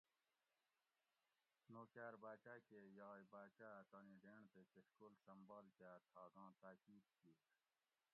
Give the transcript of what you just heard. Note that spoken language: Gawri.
نوکاۤر باۤچاۤ کے یاگ باۤچاۤ اۤ تانی ڈینڑ تے کشکول سنبال کاۤ تھاگاں تاۤکید کِیر